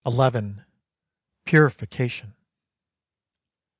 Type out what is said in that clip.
PURIFICATION.